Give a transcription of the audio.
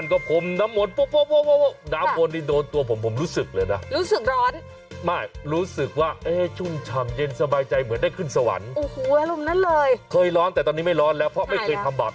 ท่านก็พรมน้ำมนตร์ปวบ